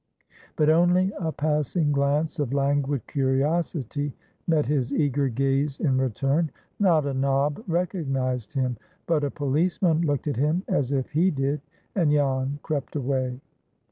But only a passing glance of languid curiosity met his eager gaze in return. Not a nob recognized him. But a policeman looked at him as if he did, and Jan crept away.